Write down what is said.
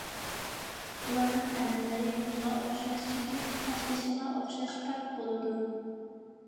ئۇلارنىڭ ئەمەللىرى مۇزغا ئوخشاش سۈزۈك، قاشتېشىغا ئوخشاش پاك بولىدۇ.